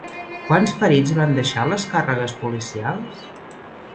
Quants ferits van deixar les càrregues policials?